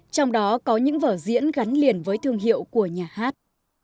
trong đó có những vở diễn gắn liền với thương hiệu của nhà hát